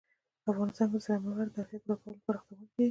په افغانستان کې د سلیمان غر د اړتیاوو پوره کولو لپاره اقدامات کېږي.